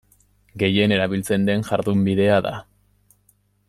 Gehien erabiltzen den jardunbidea da.